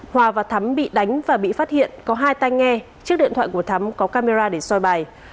hòa và thắm bị đánh và bị phát hiện có hai tay nghe chiếc điện thoại của thắm có camera để soi bài